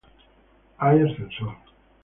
Hay ascensor.